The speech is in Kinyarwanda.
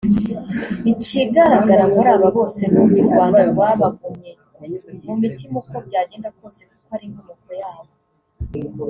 Ikigaragara muri aba bose ni uko u Rwanda rwabagumye mu mitima uko byagenda kose kuko ari inkomoko yabo